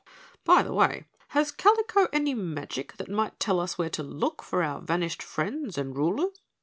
By the way, has Kalico any magic that might tell us where to look for our vanished friends and rulers?"